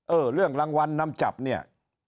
เรื่องรางวัลนำจับเนี่ย